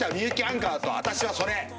アンカーと私は、それ。